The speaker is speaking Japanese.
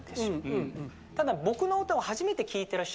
ただ。